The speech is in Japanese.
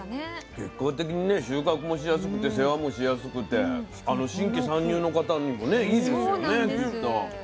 結果的にね収穫もしやすくて世話もしやすくて新規参入の方にもねいいですよねきっと。